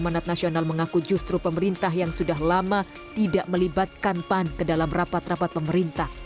manat nasional mengaku justru pemerintah yang sudah lama tidak melibatkan pan ke dalam rapat rapat pemerintah